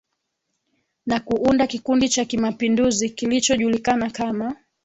Na kuunda kikundi cha kimapinduzi kilichojulikana kama